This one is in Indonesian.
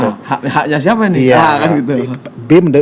hah haknya siapa ini